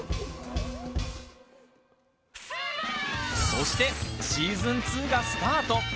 そして、シーズン２がスタート！